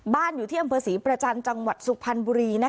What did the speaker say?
อยู่ที่อำเภอศรีประจันทร์จังหวัดสุพรรณบุรี